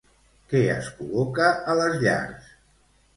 Què es col·loca a les llars?